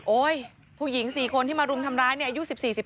โอ๊ยผู้หญิง๔คนที่มารุมทำร้ายอายุ๑๔๑๕